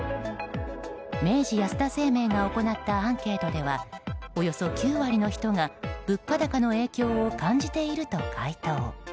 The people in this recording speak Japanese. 明治安田生命が行ったアンケートではおよそ９割の人が物価高の影響を感じていると回答。